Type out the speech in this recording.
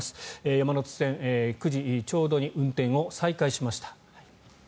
山手線、９時ちょうどに運転を再開しました。